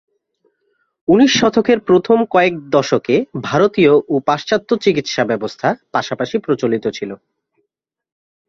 উনিশ শতকের প্রথম কয়েক দশকে ভারতীয় ও পাশ্চাত্য চিকিৎসা ব্যবস্থা পাশাপাশি প্রচলিত ছিল।